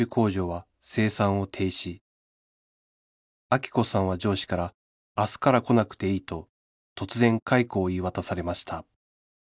アキ子さんは上司から「明日から来なくていい」と突然解雇を言い渡されました